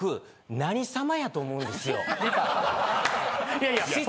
いやいや。